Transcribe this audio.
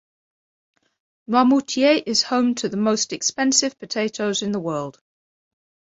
Noirmoutier is home to the most expensive potatoes in the world.